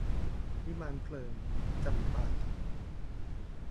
วิมานเพลิง - จำปาลาว